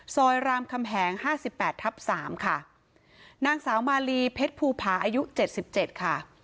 รามคำแหงห้าสิบแปดทับสามค่ะนางสาวมาลีเพชรภูผาอายุเจ็ดสิบเจ็ดค่ะ